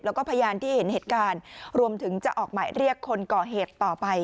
แล้วก็พยานที่เห็นเหตุการณ์รวมถึงจะออกหมายเรียกคนก่อเหตุต่อไป